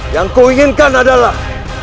yang kuinginkan adalah